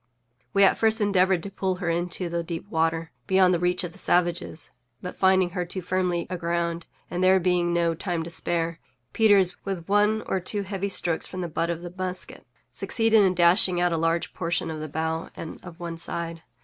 We at first endeavored to pull her into the deep water, beyond the reach of the savages, but, finding her too firmly aground, and there being no time to spare, Peters, with one or two heavy strokes from the butt of the musket, succeeded in dashing out a large portion of the bow and of one side.